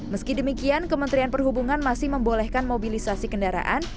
meski demikian kementerian perhubungan masih membolehkan mobilisasi kendaraan